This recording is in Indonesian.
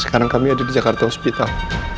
sekarang kami ada di jakarta hospital